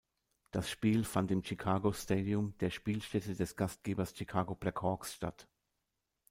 Das Spiel fand im Chicago Stadium, der Spielstätte des Gastgebers Chicago Black Hawks statt.